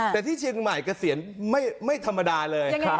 แต่ที่เชียงใหม่เกษียณไม่ธรรมดาเลย